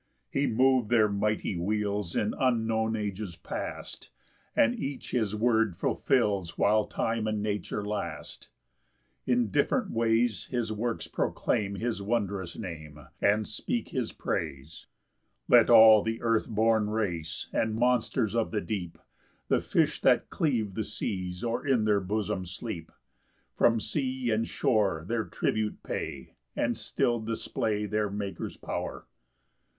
4 He mov'd their mighty wheels In unknown ages past, And each his word fulfils While time and nature last: In different ways His works proclaim His wondrous Name, And speak his praise. PAUSE. 5 Let all the earth born race, And monsters of the deep, The fish that cleave the seas, Or in their bosom sleep, From sea and shore Their tribute pay, And still display Their Maker's power.